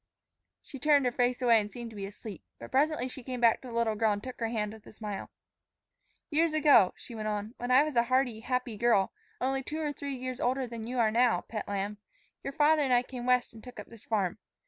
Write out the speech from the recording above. She turned her face away and seemed to be asleep. But presently she came back to the little girl and took her hand with a smile. "Years ago," she went on, "when I was a hearty, happy girl, only two or three years older than you are now, pet lamb, your father and I came West and took up this farm.